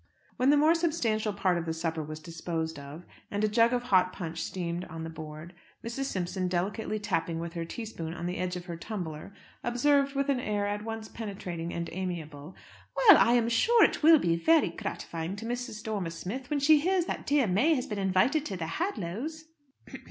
When the more substantial part of the supper was disposed of, and a jug of hot punch steamed on the board, Mrs. Simpson, delicately tapping with her teaspoon on the edge of her tumbler, observed, with an air at once penetrating and amiable "Well, I'm sure it will be very gratifying to Mrs. Dormer Smith when she hears that dear May has been invited to the Hadlows'."